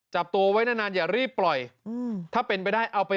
จับตัวไว้นานอย่ารีบปล่อยถ้าเป็นไปได้เอาไป